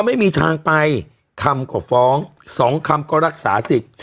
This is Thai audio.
ไม่มีทางไปคำก็ฟ้องสองคำก็รักษาสิทธิ์